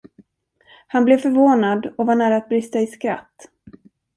Han blev förvånad och var nära att brista i skratt.